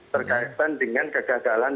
berkaitan dengan kegagalan